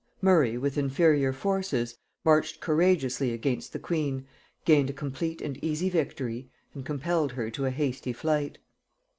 Murray, with inferior forces, marched courageously against the queen, gained a complete and easy victory, and compelled her to a hasty flight.